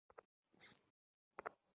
বাপরে, খড়ের গাঁদায় সূচ খোঁজার মতো!